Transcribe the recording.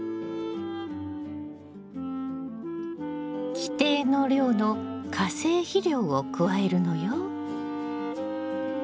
規定の量の化成肥料を加えるのよ。